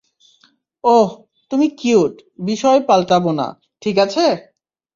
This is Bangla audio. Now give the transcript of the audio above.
ওহ, তুমি কিউট, বিষয় পালটাব না, ঠিক আছে?